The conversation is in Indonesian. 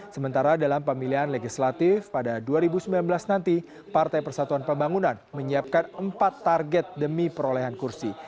sementara dalam pemilihan legislatif pada dua ribu sembilan belas nanti partai persatuan pembangunan menyiapkan empat target demi perolehan kursi